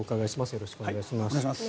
よろしくお願いします。